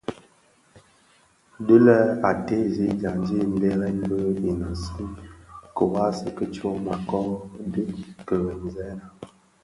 Dhi lè a teezi dyaňdi mbèrèn bi inèsun kiwasi ki tyoma kö dhi kiremzèna.